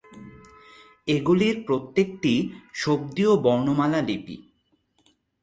এগুলির প্রত্যেকটিই শব্দীয় বর্ণমালা লিপি।